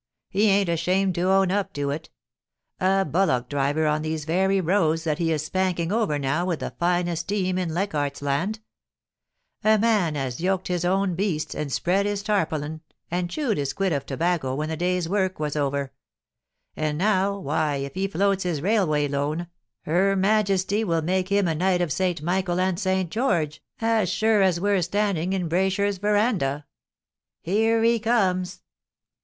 He ain't ashamed to own up to it A bullock driver on these verj' roads that he is spanking over now with the finest team in Leichardt's Land A man as yoked his own beasts, and spread his tarpaulin, and chewed his quid of tobacco when the day's work was over ; and now, why if he floats his Railway Loan, her Majesty will make A T BRA YSHEK3 INN. 7 him a Knight of St Michael and St George, as sure as we're standing in Braysher's verandah. Here he comes.'